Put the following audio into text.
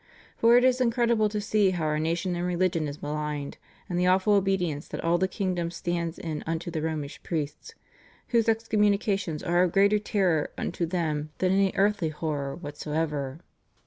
For it is incredible to see how our nation and religion is maligned, and the awful obedience that all the kingdom stands in unto the Romish priests, whose excommunications are of greater terror unto them than any earthly horror whatsoever.